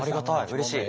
うれしい。